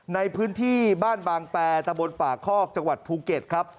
ในพื้นที่บ้านบางแปรตะบนป่าคอกจังหวัดภูเก็ตครับ